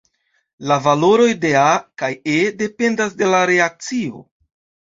La valoroj de "A" kaj "E" dependas de la reakcio.